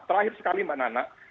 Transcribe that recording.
terakhir sekali mbak nana